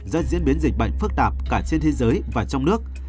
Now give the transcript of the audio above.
rất diễn biến dịch bệnh phức tạp cả trên thế giới và trong nước